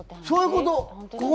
そういうこと！